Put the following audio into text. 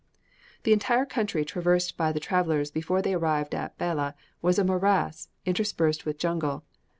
The entire country traversed by the travellers before they arrived at Bela was a morass, interspersed with jungle.